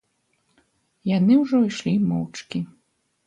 Яны ўжо ішлі моўчкі.